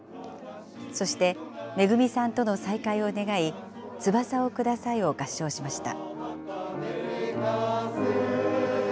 そして、めぐみさんとの再会を願い、翼をくださいを合唱しました。